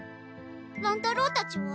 乱太郎たちは？